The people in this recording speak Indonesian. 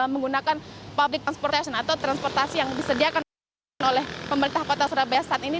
menggunakan public transportation atau transportasi yang disediakan oleh pemerintah kota surabaya saat ini